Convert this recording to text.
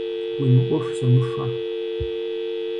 Уи мыӏуэху зумыхуэ!